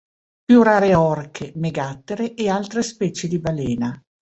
Più rare orche, megattere e altre specie di balena.